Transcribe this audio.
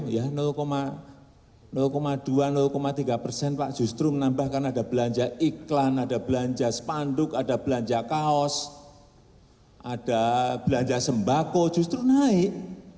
ya dua tiga persen pak justru menambahkan ada belanja iklan ada belanja sepanduk ada belanja kaos ada belanja sembako justru naik